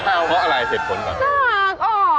เพราะอะไรเหตุผลก่อน